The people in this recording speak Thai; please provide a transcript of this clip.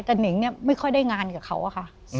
แต่นิงเนี่ยไม่ค่อยได้งานกับเขาอะค่ะ